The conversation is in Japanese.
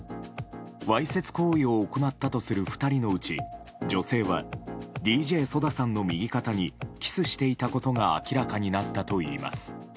わいせつ行為を行ったとする２人のうち、女性はＤＪＳＯＤＡさんの右肩にキスしていたことが明らかになったといいます。